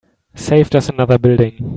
Saved us another building.